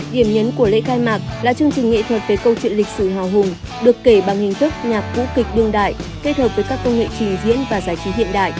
điểm nhấn của lễ khai mạc là chương trình nghệ thuật về câu chuyện lịch sử hào hùng được kể bằng hình thức nhạc vũ kịch đương đại kết hợp với các công nghệ trình diễn và giải trí hiện đại